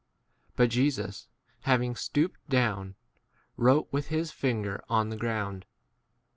But Jesus, having stooped down, wrote with his finger on the 7 ground.